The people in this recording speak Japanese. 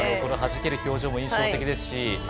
はじける表情も印象的ですし。